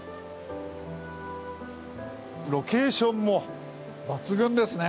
ロケーションも抜群ですね。